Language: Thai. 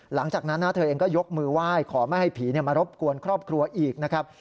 หลังจากนั้นเธอเองก็ยกมือไหว้ขอไม่ให้ผีมารบกวนครอบครัวอีกนะครับ